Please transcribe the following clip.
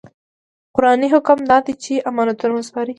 قرآني حکم دا دی چې امانتونه وسپارئ.